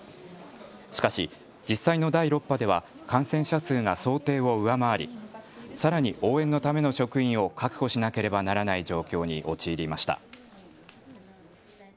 しかし、実際の第６波では感染者数が想定を上回りさらに応援のための職員を確保しなければならない状況に陥りました。